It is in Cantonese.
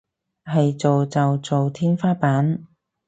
係做就做天花板